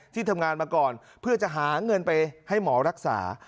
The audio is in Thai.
ที่ทำงานมาก่อนเพื่อจะหาเงินไปให้หมอรักษา